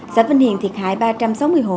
xã vân hiền thiệt hại ba trăm sáu mươi hộ